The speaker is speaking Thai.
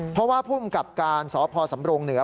เพราะว่าภูมิกับการสพสำรงเหนือ